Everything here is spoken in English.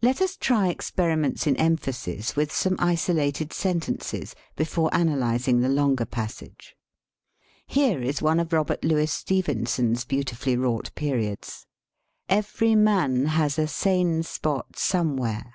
Let us try ex periments in emphasis, with some isolated sentences, before analyzing the longer pas sage. Here is one of Robert Louis Steven son's beautifully wrought periods, "Every man has a sane spot somewhere."